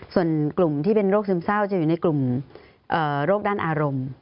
ส่วนกลุ่มที่เป็นโรคซึมเศร้าจะอยู่ในกลุ่มโรคด้านอารมณ์